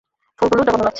ফুলগুলো জঘন্য লাগছে।